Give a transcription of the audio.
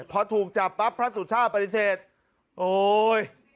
พอถูกจับปั๊บพระสุชาติปฏิเสธโอ๊ย